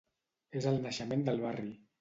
És el naixement del barri.